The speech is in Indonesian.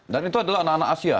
dan itu adalah anak anak asia